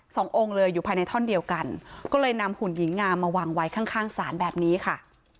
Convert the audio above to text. สององค์เลยอยู่ภายในท่อนเดียวกันก็เลยนำหุ่นหญิงงามมาวางไว้ข้างข้างศาลแบบนี้ค่ะ